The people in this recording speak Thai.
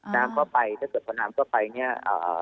น้ำก็ไปถ้าเกิดมันไปอ่า